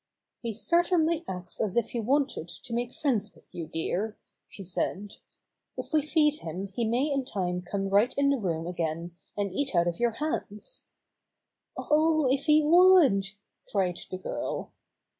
"He certainly acts as if he wanted to make friends with you, dear," she said. "If we feed him he may in time come right in the room again and eat out of your hands." "Oh, if he would!" cried the girl.